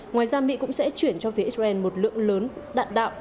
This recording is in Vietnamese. ngoài ra mỹ cũng sẽ chuyển cho phía israel một lượng lớn đạn đạo